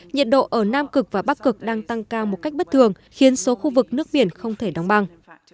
nhiệt độ ở nam cực và bắc cực đang tăng cao một cách bất thường khiến số khu vực nước biển không thể đóng băng